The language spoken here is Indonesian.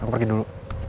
aku pergi dulu